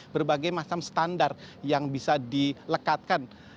berbagai macam standar yang bisa dilekatkan